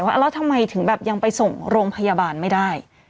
ว่าแล้วทำไมถึงแบบยังไปส่งโรงพยาบาลไม่ได้